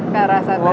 ke arah sana